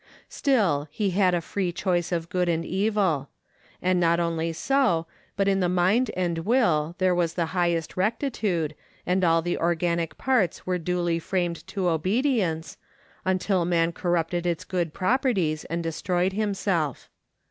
Still he had a free choice of good and evil; and not only so, but in the mind and will there was the highest rectitude, and all the organic parts were duly framed to obedience, until man corrupted its good properties, and destroyed himself.